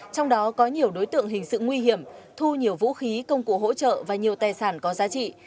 trong đó có nhiều đối tượng hình sự nguy hiểm thu nhiều vũ khí công cụ hỗ trợ và nhiều tài sản có giá trị